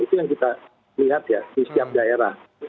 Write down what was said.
itu yang kita lihat ya di setiap daerah